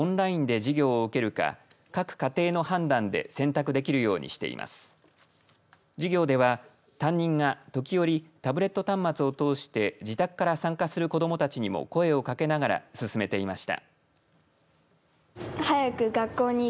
授業では担任が時おりタブレット端末を通して自宅から参加する子どもたちにも声をかけながら進めていました。